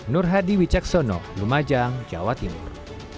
nur hadi wicaksono lumajang jawa timur